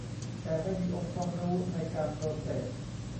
แต่ไม่มีองค์ความรู้ในการโปรเซส